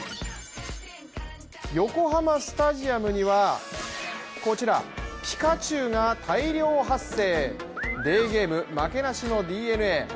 横浜スタジアムにはこちら、ピカチュウが大量発生。